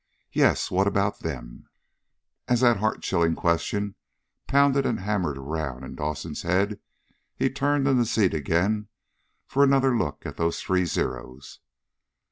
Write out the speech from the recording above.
Yes, what about them? As that heart chilling question pounded and hammered around in Dawson's head he turned in the seat again for another look at those three Zeros.